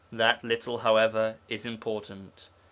That little, however, is important.